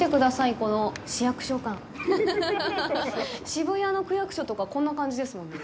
渋谷の区役所とか、こんな感じですもんね。